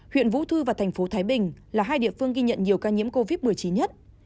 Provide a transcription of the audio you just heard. huyện vũ thư và thành phố thái bình là hai địa phương ghi nhận nhiều ca nhiễm covid một mươi chín nhất